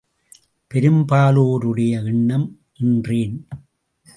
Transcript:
பெரும்பாலோருடைய எண்ணம், என்றேன்.